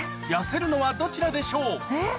痩せるのはどちらでしょう？